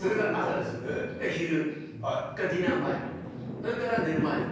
で昼ディナー前それから寝る前に。